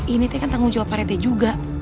ini teh kan tanggung jawab pak reti juga